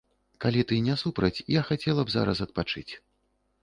Калі ты не супраць, я хацела б зараз адпачыць